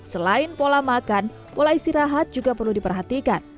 selain pola makan pola istirahat juga perlu diperhatikan